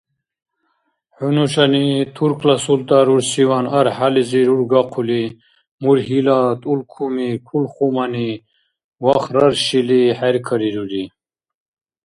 ХӀу нушани, туркла султӀа рурсиван архӀялизи рургахъули, мургьила тӀулукми-кулухмани вахраршили, хӀеркарирури...